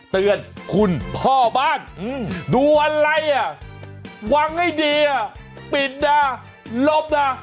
เตือนคุณพ่อบ้านดูอะไรอ่ะวางให้ดีอ่ะปิดนะลบนะ